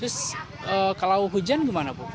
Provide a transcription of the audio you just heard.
terus kalau hujan gimana bu